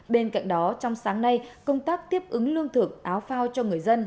bên cạnh đó trong sáng nay công tác tiếp ứng lương thực áo phao cho người dân